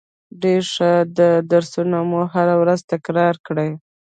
ډیره ښه ده درسونه مو هره ورځ تکرار کړئ